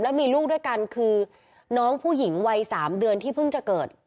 มีลูกด้วยกันคือน้องผู้หญิงวัย๓เดือนที่เพิ่งจะเกิด